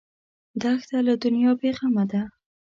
دښته له دنیا بېغمه ده.